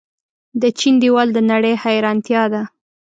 د چین دیوال د نړۍ حیرانتیا ده.